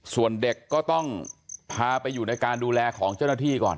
ส่วนเด็กก็ต้องพาไปอยู่ในการดูแลของเจ้าหน้าที่ก่อน